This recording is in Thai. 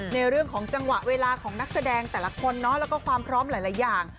ในเรื่องของจังหวะเวลาของนักแสดงแต่ละคนแล้วก็ความพร้อมหลายอย่าง